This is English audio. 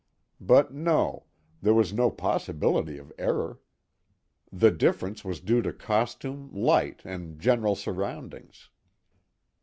But no—there was no possibility of error; the difference was due to costume, light and general surroundings.